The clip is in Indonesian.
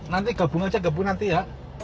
nanti gabung aja gabung nanti ya